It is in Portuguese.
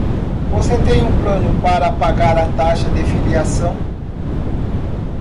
Você tem um plano para pagar a taxa de filiação?